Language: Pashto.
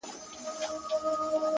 عاجزي د محبوبیت بنسټ پیاوړی کوي.!